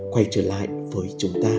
quay trở lại với chúng ta